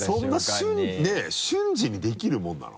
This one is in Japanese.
そんな瞬時にできるものなの？